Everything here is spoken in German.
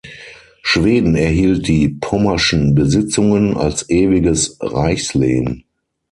Schweden erhielt die pommerschen Besitzungen als ewiges Reichslehen.